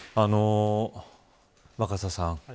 若狭さん